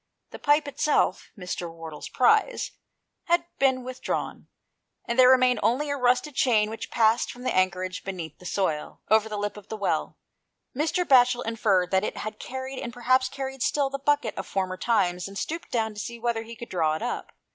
The pipe itself, Mr. Wardle's prize, had been with drawn, and there remained only a rusted chain ^^h passed from some anchorage beneath the soil, over the lip of the well. Mr. Batchel inferred that it had carried, and perhaps carried still, the bucket of former times, and stooped down to see whether he could draw it up.